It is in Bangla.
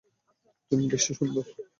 তুমি বেশি সুন্দর।